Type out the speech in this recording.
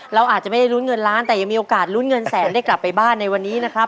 เราอาจจะไม่ได้ลุ้นเงินล้านแต่ยังมีโอกาสลุ้นเงินแสนได้กลับไปบ้านในวันนี้นะครับ